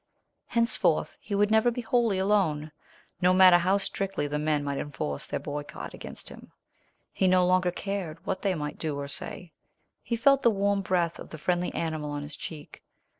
Henceforth he would never be wholly alone, no matter how strictly the men might enforce their boycott against him. He no longer cared what they might do or say. He felt the warm breath of the friendly animal on his cheek.